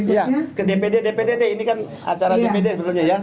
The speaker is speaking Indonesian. ya ke dpd dpd d ini kan acara dpd sebetulnya ya